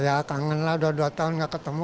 ya kangen lah dua puluh dua tahun gak ketemu